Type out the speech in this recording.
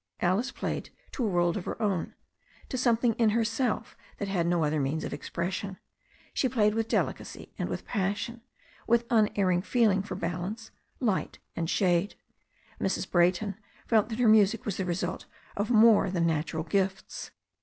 Alice played to a world of her own, to something in her self that had no other means of expression. She played with delicacy and with passion, with imerring feeling for THE STORY OF A NEW ZEALAND RIVER 51 balance, for light and shade. Mrs. Brayton felt that her music was the result of more than natural gifts.